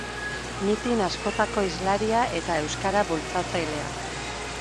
Mitin askotako hizlaria eta euskara bultzatzailea.